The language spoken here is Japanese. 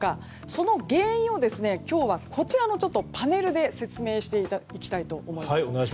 その原因を今日はこちらのパネルで説明していきたいと思います。